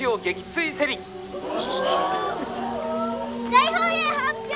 大本営発表！